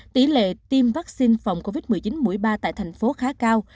tỷ lệ tiêm vaccine phòng covid một mươi chín mũi ba tại thành phố khá cao